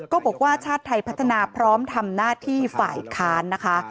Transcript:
บอกว่าชาติไทยพัฒนาพร้อมทำหน้าที่ฝ่ายค้านนะคะ